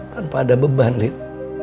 tanpa ada beban liet